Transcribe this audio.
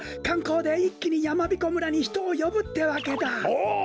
おお！